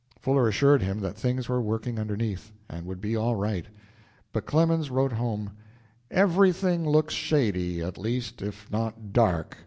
Fuller assured him that things were "working underneath," and would be all right. But Clemens wrote home: "Everything looks shady, at least, if not dark."